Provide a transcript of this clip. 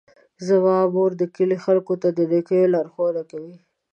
زما مور د کلي خلکو ته د نیکیو لارښوونې کوي.